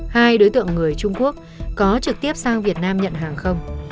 hai đối tượng người trung quốc có trực tiếp sang việt nam nhận hàng không